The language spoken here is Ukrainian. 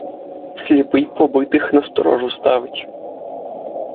Сліпий побитих на сторожу ставить!